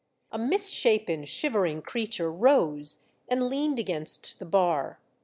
A misshapen, shivering creature rose and leaned against the bar.